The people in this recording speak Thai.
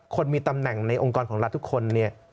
คนมีตำแหน่งในองค์กรของรัฐทุกคนเนี่ย